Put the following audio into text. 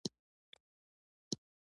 مینه هره ستونزه اسانوي.